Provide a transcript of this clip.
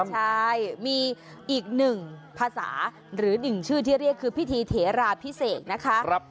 ใช่มีอีกหนึ่งภาษาหรือหนึ่งชื่อที่เรียกคือพิธีเถราพิเศษนะคะ